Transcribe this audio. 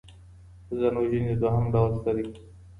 د ځان وژني دوهم ډول څه دی؟